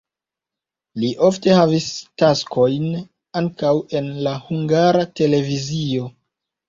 Li ofte havis taskojn ankaŭ en la Hungara Televizio.